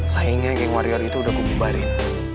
sayangnya geng warrior itu udah kububarin